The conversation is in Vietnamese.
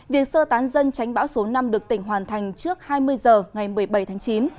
việc sơ tán dân tránh bão số năm được tỉnh hoàn thành trước hai mươi h ngày một mươi bảy tháng chín